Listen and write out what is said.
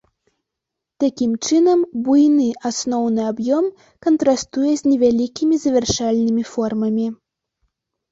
Такім чынам, буйны асноўны аб'ём кантрастуе з невялікімі завяршальнымі формамі.